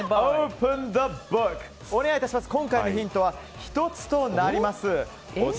今回のヒントは１つとなります。